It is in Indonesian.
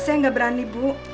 saya gak berani bu